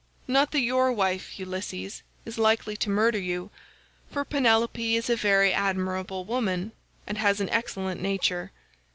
Not that your wife, Ulysses, is likely to murder you, for Penelope is a very admirable woman, and has an excellent nature.